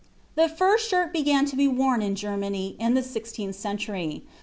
"The first shirt began to be worn [in Germany] in the sixteenth century.